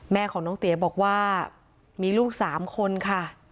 แม่ของน้องเตี๋ยบอกว่ามีลูก๓คนค่ะ